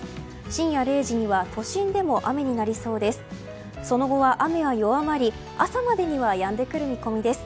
深夜０時には都心でも雨になりそうです。